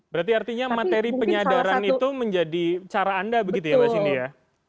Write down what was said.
berarti artinya materi penyadaran itu menjadi cara anda begitu ya mbak sindi ya